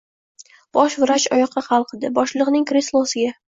Bosh vrach oyoqqa qalqidi. Boshliqning kreslosiga...